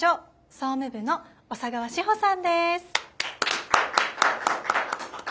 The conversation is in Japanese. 総務部の小佐川志穂さんです。